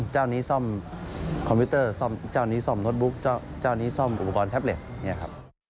เจ้านี้ซ่อมคอมพิวเตอร์ซ่อมเจ้านี้ซ่อมโน้ตบุ๊กเจ้านี้ซ่อมอุปกรณ์แท็บเล็ตเนี่ยครับ